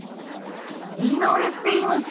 ミノルっていいます。